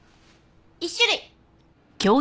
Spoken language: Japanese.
１種類。